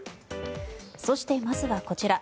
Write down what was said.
そしてまずは、こちら。